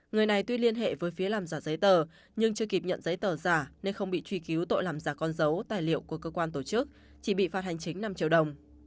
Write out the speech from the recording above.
người này tuy liên hệ với phía làm giả giấy tờ nhưng chưa kịp nhận giấy tờ giả nên không bị truy cứu tội làm giả con dấu tài liệu của cơ quan tổ chức chỉ bị phạt hành chính năm triệu đồng